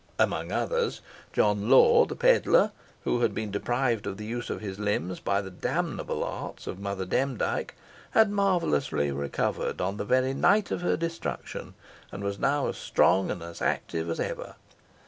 Amongst others, John Law, the pedlar, who had been deprived of the use of his limbs by the damnable arts of Mother Demdike, had marvellously recovered on the very night of her destruction, and was now as strong and as active as ever.